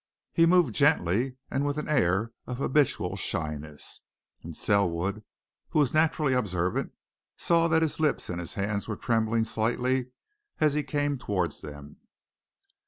He moved gently and with an air of habitual shyness, and Selwood, who was naturally observant, saw that his lips and his hands were trembling slightly as he came towards them.